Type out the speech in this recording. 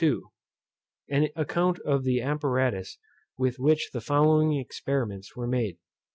_An account of the APPARATUS with which the following experiments were made.